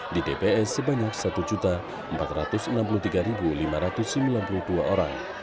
di tps sebanyak satu empat ratus enam puluh tiga lima ratus sembilan puluh dua orang